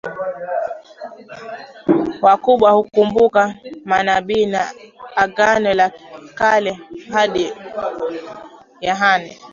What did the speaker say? wakubwa hukumbuka manabii wa Agano la Kale hadi Yohane